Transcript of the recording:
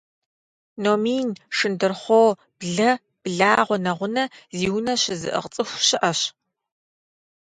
Номин, шындурхъуо, блэ, благъуэ, нэгъунэ зи унэ щызыӏыгъ цӏыху щыӏэщ.